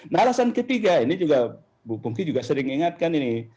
nah alasan ketiga ini juga bu pungki juga sering ingatkan ini